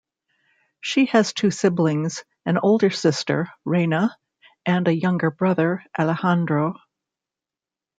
She has two siblings; an older sister, Reyna, and a younger brother, Alejandro.